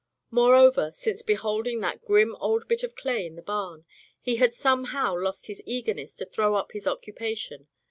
Moreover, since beholding that grim old bit of clay in the barn, he had somehow lost his eagerness to throw up his occupation.